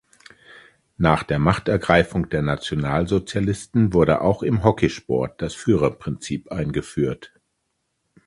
Nach der Machtergreifung der Nationalsozialisten wurde auch im Hockeysport das Führerprinzip eingeführt.